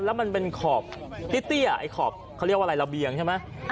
แล้วมันเป็นขอบเตี้ยไอ้ขอบเขาเรียกว่าอะไรระเบียงใช่ไหม